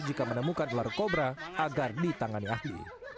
jika menemukan ular kobra agar ditangani ahli